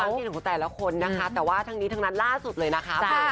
เห็นของแต่ละคนนะคะแต่ว่าทั้งนี้ทั้งนั้นล่าสุดเลยนะคะ